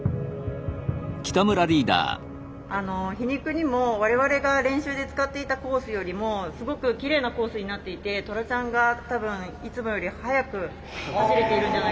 皮肉にも我々が練習で使っていたコースよりもすごくきれいなコースになっていてトラちゃんが多分いつもより速く走れているんじゃないかなと思います。